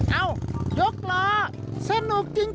เอ้ายกล้อสนุกจริง